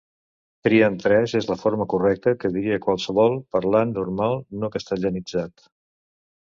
Tria'n tres és la forma correcta que diria qualsevol parlant normal no castellanitzat.